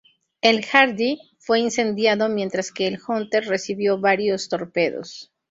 El "Hardy" fue incendiado, mientras que el Hunter recibió varios torpedos.